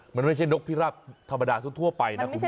มันไม่ใช่นกพิราบธรรมดาทั่วไปนะคุณผู้ชม